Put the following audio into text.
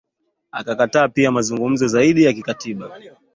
Akakataa pia mazungumzo zaidi ya kikatiba